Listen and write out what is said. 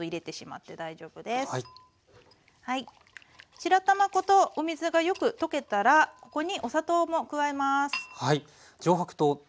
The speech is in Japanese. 白玉粉とお水がよく溶けたらここにお砂糖も加えます。